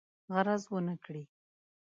غرض ونه کړي.